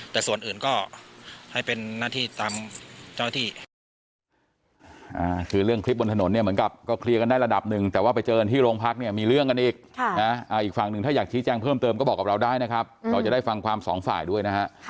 แต่ส่วนอื่นก็ให้เป็นหน้าที่ตามเจ้าหน้าที่